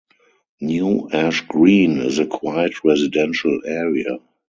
New Ash Green is a quiet residential area.